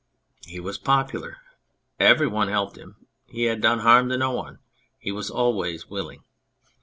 He was popular, every one helped him, he had done harm to no one, he was always willing.